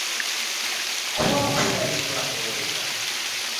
کوا پیاوی وا گەورە و زانا؟